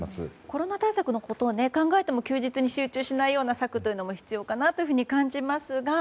コロナ対策のことを考えても、休日に集中しないような策も必要かなと感じますが。